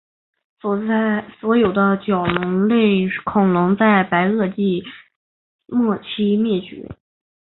所有的角龙类恐龙在白垩纪末期灭绝。